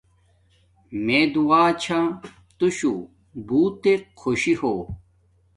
مے دعا چھا تو شو بوتک خوشی ہو